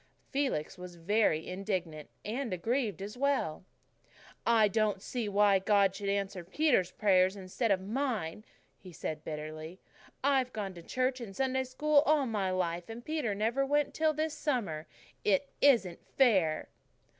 Felix was very indignant and aggrieved as well. "I don't see why God should answer Peter's prayers instead of mine," he said bitterly. "I've gone to church and Sunday School all my life, and Peter never went till this summer. It isn't fair."